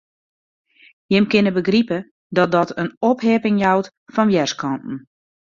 Jim kinne begripe dat dat in opheapping jout fan wjerskanten.